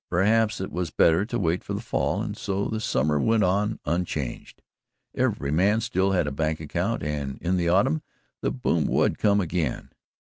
Perhaps it was better to wait for the fall, and so the summer went on unchanged. Every man still had a bank account and in the autumn, the boom would come again.